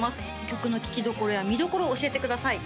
曲の聴きどころや見どころを教えてください